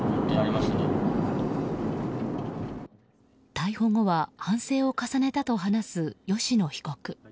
逮捕後は反省を重ねたと話す吉野被告。